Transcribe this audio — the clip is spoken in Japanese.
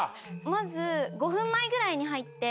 まず５分前ぐらいに入って。